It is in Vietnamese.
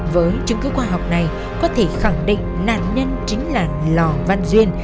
với chứng cứ khoa học này có thể khẳng định nạn nhân chính là lò văn duyên